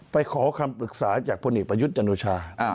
ขอคำปรึกษาจากพลเอกประยุทธ์จันโอชา